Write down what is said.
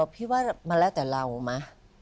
พี่ว่ามันแล้วแต่เรามั้ย